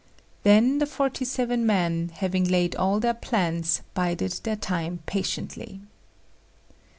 Then the forty seven men, having laid all their plans, bided their time patiently.